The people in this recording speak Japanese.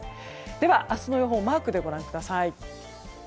では明日の予報マークでご覧ください。